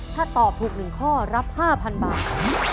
ถ้าตอบถูก๑ข้อรับ๕๐๐๐บาท